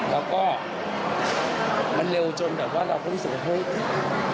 แล้วก็มันเร็วจนแบบว่าเราก็รู้สึกว่าเฮ้ย